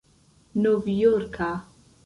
novjorka